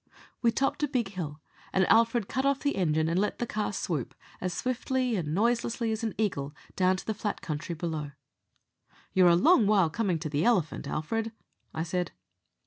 We topped a big hill, and Alfred cut off the engine and let the car swoop, as swiftly and noiselessly as an eagle, down to the flat country below. "You're a long while coming to the elephant, Alfred," I said.